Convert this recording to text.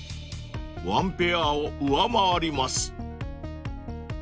［ワンペアを上回ります］